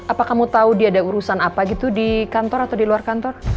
apakah kamu tahu dia ada urusan apa gitu di kantor atau di luar kantor